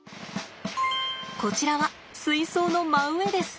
こちらは水槽の真上です。